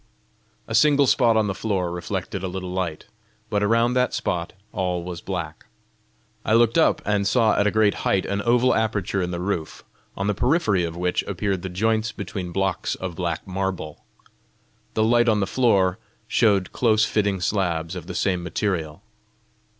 A single spot on the floor reflected a little light, but around that spot all was black. I looked up, and saw at a great height an oval aperture in the roof, on the periphery of which appeared the joints between blocks of black marble. The light on the floor showed close fitting slabs of the same material.